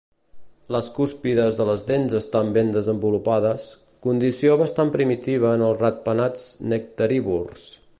Les cúspides de les dents estan ben desenvolupades, condició bastant primitiva en els ratpenats nectarívors.